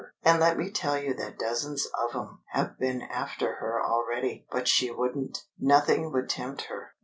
And let me tell you that dozens of 'em have been after her already. But she wouldn't! Nothing would tempt her."